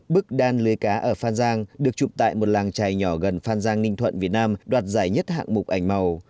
bức đan lấy cá ở phan giang được chụp tại một làng trài nhỏ gần phan giang ninh thuận việt nam đoạt giải nhất hạng mục ảnh màu